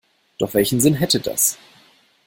Doch welchen Sinn hätte das?